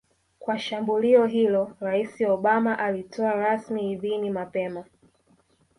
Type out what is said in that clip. kwa shambulio hilo Rais Obama alitoa rasmi idhini mapema